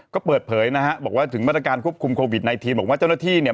ก็เปิดเผยนะฮะบอกว่าถึงมาตรการควบคุมโควิด๑๙บอกว่าเจ้าหน้าที่เนี่ย